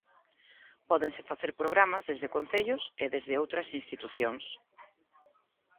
Pódense facer programas desde concellos e desde outras institucións.